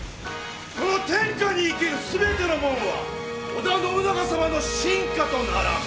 この天下に生きる全てのもんは織田信長様の臣下とならん！